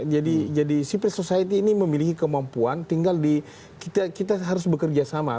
jadi sipil society ini memiliki kemampuan tinggal di kita harus bekerja sama